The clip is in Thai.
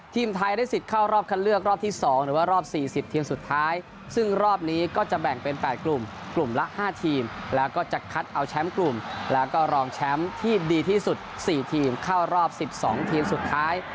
โปรแกรมที่ดีที่สุด๔ทีมเข้ารอบ๑๒ทีมสุดท้าย